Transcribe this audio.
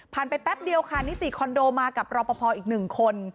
ไปแป๊บเดียวค่ะนิติคอนโดมากับรอปภอีก๑คน